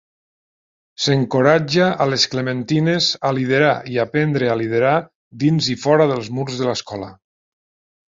S'encoratja a les clementines a liderar i aprendre a liderar dins i fora dels murs de l'escola.